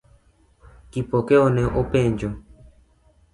Kipokeo ne openjo.